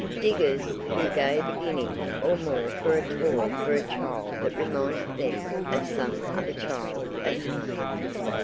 Diggers who gave a guinea or more for a toy for a child that reminded them of some other child at home.